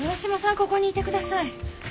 ここにいてください。